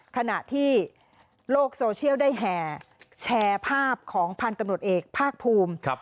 ขณะที่โลกโซเชียลได้แห่แชร์ภาพของพันธุ์ตำรวจเอกภาคภูมิ